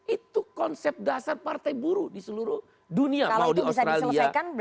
itu konsep dasar partai buruh di seluruh dunia mau di australia atau selandia